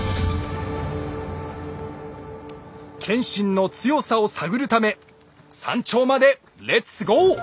謙信の強さを探るため山頂までレッツゴー！